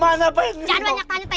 jangan banyak banyak pak dejo